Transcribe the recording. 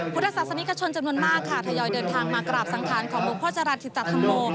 พุทธศาสตร์สนิทกับชนจำนวนมากค่ะทยอยเดินทางมากราบสังธานของบุพจราชิตธรรมโล